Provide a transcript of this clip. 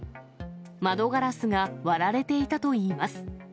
窓ガラスが割られていたといいます。